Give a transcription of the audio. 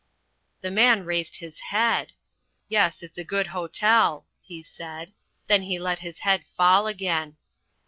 The Man raised his head! "Yes, it's a good hotel," he said. Then he let his head fall again.